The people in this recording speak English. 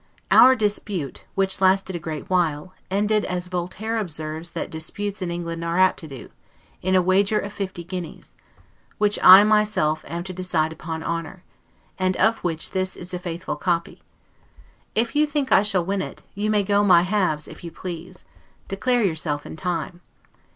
Our dispute, which lasted a great while, ended as Voltaire observes that disputes in England are apt to do, in a wager of fifty guineas; which I myself am to decide upon honor, and of which this is a faithful copy. If you think I shall win it, you may go my halves if you please; declare yourself in time.